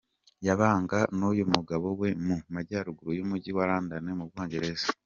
Yabanaga n’uyu mugabo we mu Majyaruguru y’Umujyi wa London mu Bwongereza.